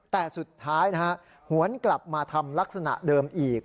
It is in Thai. แต่สุดท้ายนะฮะหวนกลับมาทำลักษณะเดิมอีก